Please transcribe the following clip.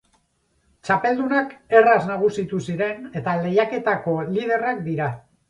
Txapeldunak erraz nagusitu ziren eta lehiaketako liderrak dira.